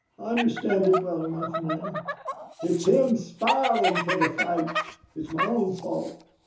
I understand it well enough, now. It's him spilin' for the fight. It's my own fault.